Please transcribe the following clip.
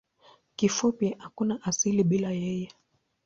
Kifupi hakuna asili bila yeye.